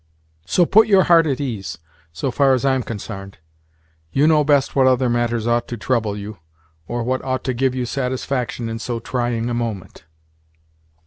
So put your heart at ease, so far as I'm consarned; you know best what other matters ought to trouble you, or what ought to give you satisfaction in so trying a moment."